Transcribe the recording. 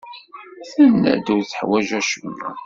Tenna-d ur teḥwaj acemma.